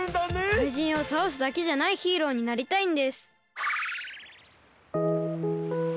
「かいじんをたおすだけじゃないヒーローになりたい」か。